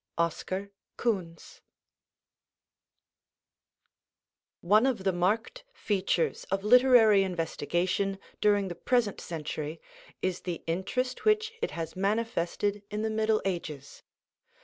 OSCAR KUHNS One of the marked features of literary investigation during the present century is the interest which it has manifested in the Middle Ages.